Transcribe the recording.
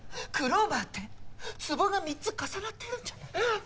クローバーってつぼが３つ重なってるんじゃ？